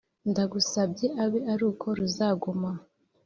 Ndagusabye abe aruko ruzaguma